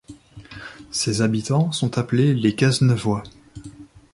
Ses habitants sont appelés les Cazeneuvois.